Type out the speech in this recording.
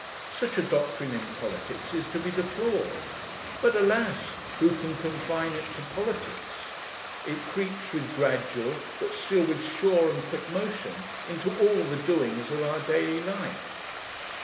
Such a doctrine in politics is to be deplored; but alas! who can confine it to politics? It creeps with gradual, but still with sure and quick motion, into all the doings of our daily life.